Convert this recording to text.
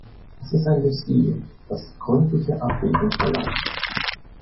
Es ist ein Dossier, das gründliche Abwägung verlangt.